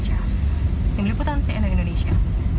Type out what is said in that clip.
dari meliputan cnn indonesia